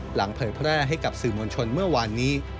เผยแพร่ให้กับสื่อมวลชนเมื่อวานนี้